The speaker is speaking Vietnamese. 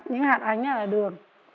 những hạt ánh là đường